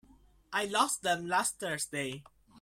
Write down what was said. I lost them last Thursday.